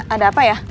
ada apa ya